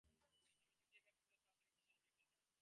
আমি ছুটিয়া গিয়া কোলে করিয়া তাহাকে বিছানায় আনিয়া ফেলিলাম।